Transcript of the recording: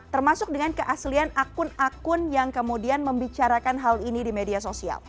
termasuk dengan keaslian akun akun yang kemudian membicarakan hal ini di media sosial